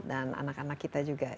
dan anak anak kita juga